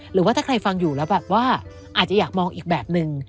หรือว่าถ้าใครฟังอยู่แล้วแบบว่าอาจจะอยากมองอีกแบบนึง